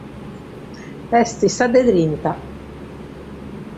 Est sa de trinta.